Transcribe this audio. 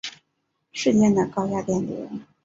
瞬间的高压电流